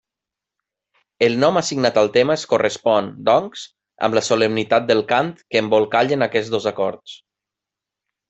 El nom assignat al tema es correspon, doncs, amb la solemnitat del cant que embolcallen aquests dos acords.